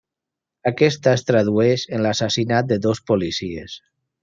Aquesta es tradueix en l'assassinat de dos policies.